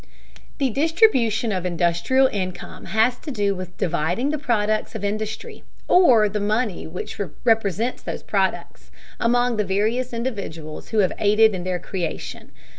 The distribution of industrial income has to do with dividing the products of industry, or the money which represents those products, among the various individuals who have aided in their creation.